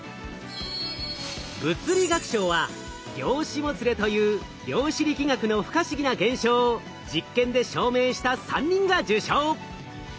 物理学賞は「量子もつれ」という量子力学の不可思議な現象を実験で証明した３人が受賞。